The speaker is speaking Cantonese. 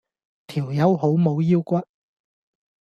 條友好冇腰骨